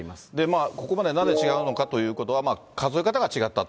ここまで、なぜ違うのかということは、数え方が違ったと。